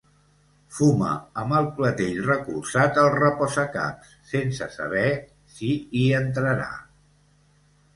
Fuma amb el clatell recolzat al reposacaps, sense saber si hi entrarà.